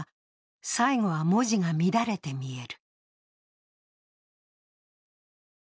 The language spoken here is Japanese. だが最後は文字が乱れて見える。